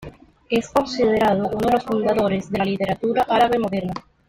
Es considerado uno de los fundadores de la literatura árabe moderna.